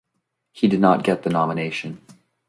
He did not get the nomination.